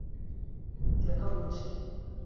দেখাও, বলছি।